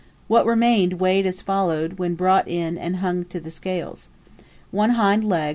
What remained weighed as follows, when brought in and hung to the scales: 1 hind leg....